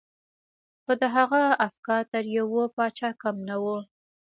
خو د هغه افکار تر يوه پاچا کم نه وو.